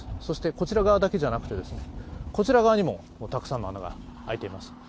そしてこちら側だけではなくてこちらの側にもたくさんの穴が開いています。